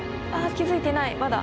気付いてないまだ。